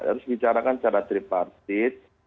harus dibicarakan secara tripartit